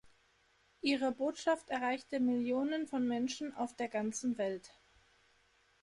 Ihre Botschaft erreichte Millionen von Menschen auf der ganzen Welt.